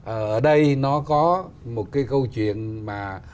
ở đây nó có một cái câu chuyện mà